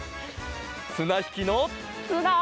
つなひきのつな！